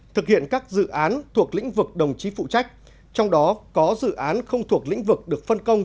thực hiện các dự án thuộc lĩnh vực đồng chí phụ trách trong đó có dự án không thuộc lĩnh vực được phân công